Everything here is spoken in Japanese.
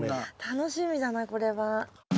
楽しみだなこれは。